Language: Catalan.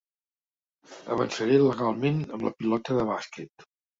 Avançaré legalment amb la pilota de bàsquet.